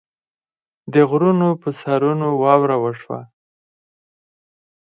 د غرونو پۀ سرونو واوره وشوه